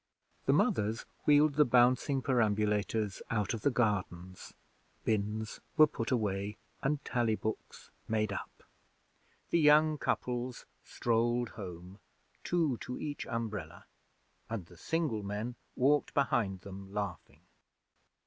The mothers wheeled the bouncing perambulators out of the gardens; bins were put away, and tally books made up. The young couples strolled home, two to each umbrella, and the single men walked behind them laughing.